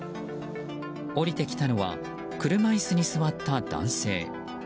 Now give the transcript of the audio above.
降りてきたのは車椅子に座った男性。